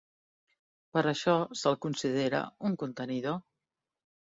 Per això se'l considera un contenidor.